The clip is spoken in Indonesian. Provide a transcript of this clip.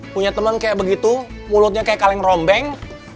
punya teman kayak begitu mulutnya kayak kaleng rombeng